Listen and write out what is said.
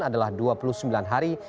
adalah dua puluh sembilan hari